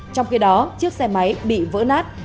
trong khi đó chiếc xe máy bị vỡ nát